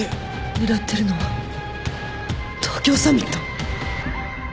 狙ってるのは東京サミット。